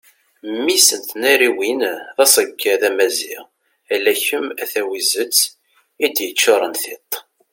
mmi-s n tnariwin d aseggad amaziɣ ala kem a tawizet i d-yeččuren tiṭ